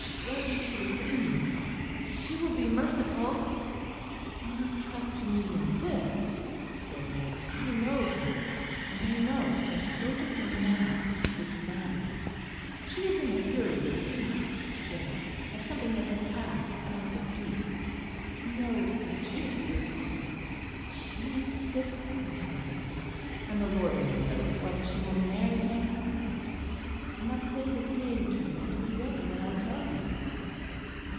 "Let me see the Queen. She will be merciful." "You must trust to me in this," said Mary, "I know her; and I know that to go to her now would be madness. She is in a fury with Pinart to day at something that has passed about the Duke. You know Monsieur is here; she kissed him the other day, and the Lord only knows whether she will marry him or not. You must wait a day or two; and be ready when I tell you."